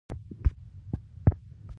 ويې ويل له دغه سړي تحقيق کوم.